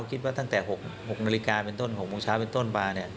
ตั้งแต่๖นาฬิกาเป็นต้น๖โมงเช้าเป็นต้นมา